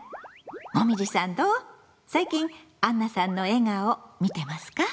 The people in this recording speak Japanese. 最近あんなさんの笑顔見てますか？